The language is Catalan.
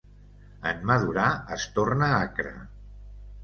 En madurar, es torna acre.